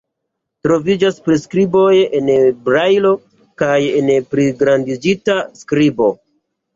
Troviĝas priskriboj en brajlo kaj en pligrandigita skribo.